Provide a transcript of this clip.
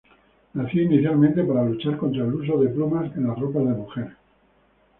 Nació inicialmente para luchar contra el uso de plumas en las ropas de mujer.